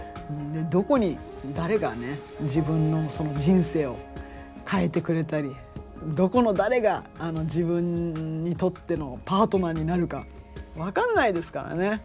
どこに誰がね自分のその人生を変えてくれたりどこの誰が自分にとってのパートナーになるか分かんないですからね